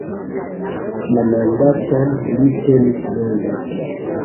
La mandaton li tenis longe.